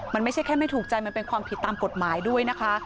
มันไม่ใช่แค่ไม่ถูกใจมันเป็นความผิดตามกฎหมายด้วยนะคะ